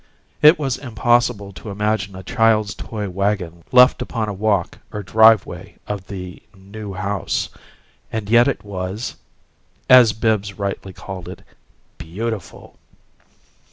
It was impossible to imagine a child's toy wagon left upon a walk or driveway of the New House, and yet it was as Bibbs rightly called it "beautiful."